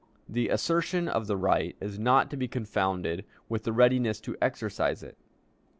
The assertion of the right is not to be confounded with a readiness to exercise it.